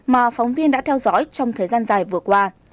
mà phóng viên đã theo dõi trong thời gian dài vừa qua